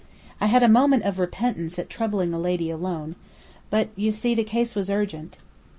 "I had a moment of repentance at troubling a lady alone; but, you see, the case was urgent."